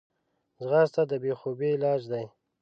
ځغاسته د بېخوبي علاج دی